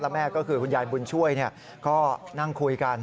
แม่ก็คือคุณยายบุญช่วยก็นั่งคุยกัน